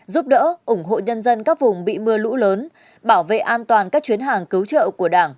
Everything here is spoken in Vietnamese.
giúp đỡ ủng hộ nhân dân các vùng bị mưa lũ lớn bảo vệ an toàn các chuyến hàng cứu trợ của đảng